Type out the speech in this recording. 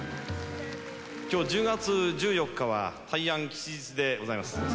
きょう１０月１４日は大安吉日でございます。